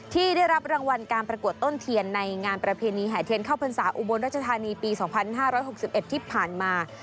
ที่ได้รับรางวัลการประกวดต้นเทียนในงานประเพณีแห่เทียนเข้าพรรษาอุบลรัชธานีปี๒๕๖๑ที่ผ่านมา